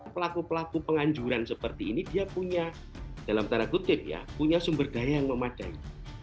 pelaku pelaku penganjuran seperti ini dia punya dalam tanda kutip ya punya sumber daya yang memadai